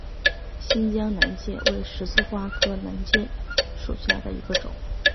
新疆南芥为十字花科南芥属下的一个种。